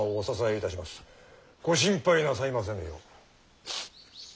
ご心配なさいませぬよう。